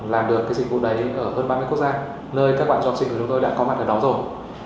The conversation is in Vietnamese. làm được cái dịch vụ đấy ở hơn ba mươi quốc gia nơi các bạn cho học sinh của chúng tôi đã có mặt ở đó rồi